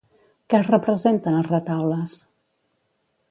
Què es representa en els retaules?